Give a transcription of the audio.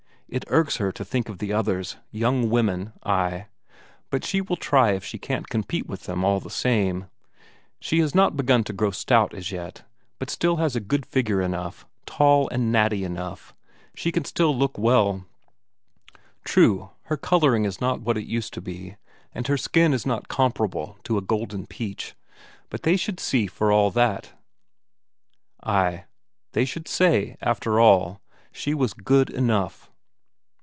It irks her to think of the others, young women, ay ... but she will try if she can't compete with them all the same. She has not begun to grow stout as yet, but has still a good figure enough, tall and natty enough; she can still look well. True, her colouring is not what it used to be, and her skin is not comparable to a golden peach but they should see for all that; ay, they should say, after all, she was good enough!